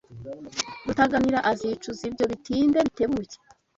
Rutaganira azicuza ibyo bitinde bitebuke.